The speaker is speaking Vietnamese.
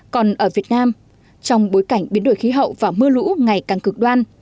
còn ở việt nam trong bối cảnh biến đổi khí hậu và mưa lũ ngày càng cực đoan